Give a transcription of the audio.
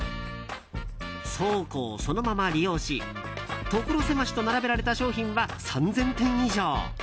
倉庫をそのまま利用し所狭しと並べられた商品は３０００点以上。